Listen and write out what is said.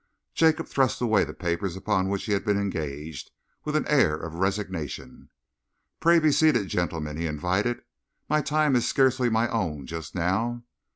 Jacob thrust away the papers upon which he had been engaged, with an air of resignation. "Pray be seated, gentlemen," he invited. "My time is scarcely my own just now.